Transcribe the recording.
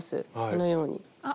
このように。